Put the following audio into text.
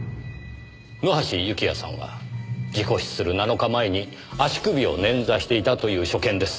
野橋幸也さんは事故死する７日前に足首を捻挫していたという所見です。